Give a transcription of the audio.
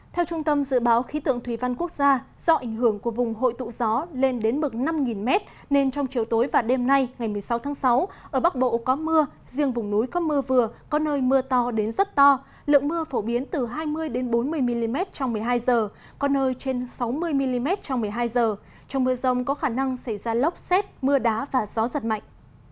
theo trung tâm dự báo khí tượng thủy văn quốc gia do ảnh hưởng của vùng hội tụ gió lên đến mực năm m nên trong chiều tối và đêm nay ngày một mươi sáu tháng sáu ở bắc bộ có mưa riêng vùng núi có mưa vừa có nơi mưa to đến rất to lượng mưa phổ biến từ hai mươi bốn mươi mm trong một mươi hai h có nơi trên sáu mươi mm trong một mươi hai h trong mưa rông có khả năng xảy ra lốc xét mưa đá và gió giật mạnh